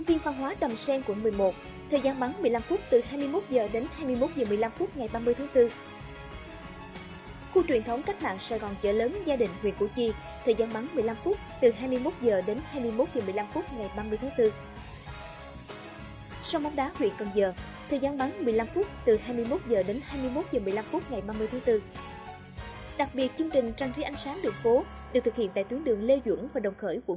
xin chào và hẹn gặp lại các bạn trong những video tiếp theo